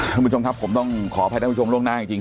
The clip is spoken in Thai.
คุณผู้ชมครับผมต้องขออภัยท่านผู้ชมล่วงหน้าจริง